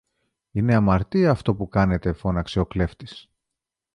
Είναι αμαρτία αυτό που κάνετε φώναξε ο κλέφτης.